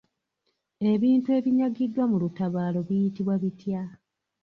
Ebintu ebinyagiddwa mu lutabaalo biyitibwa bitya?